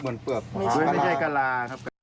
ไม่ใช่กระลา